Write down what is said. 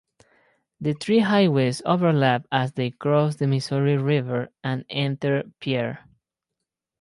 The three highways overlap as they cross the Missouri River and enter Pierre.